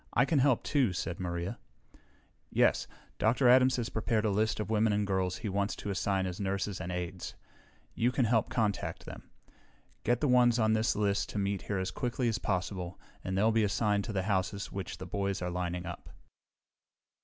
"I can help, too," said Maria. "Yes. Dr. Adams has prepared a list of women and girls he wants to assign as nurses and aides. You can help contact them. Get the ones on this list to meet here as quickly as possible and they'll be assigned to the houses which the boys are lining up."